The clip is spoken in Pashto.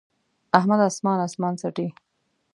احمد اسمان اسمان څټي.